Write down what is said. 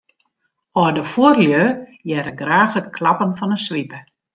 Alde fuorlju hearre graach it klappen fan 'e swipe.